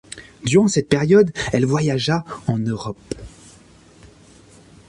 Durant cette période elle voyagea en Europe.